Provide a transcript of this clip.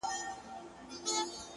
لکه ماسوم بې موره ـ